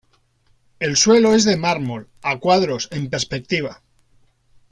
El suelo es de mármol, a cuadros en perspectiva.